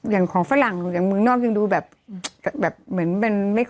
แต่ของฝรั่งอย่างเมืองนอกยังดูแบบ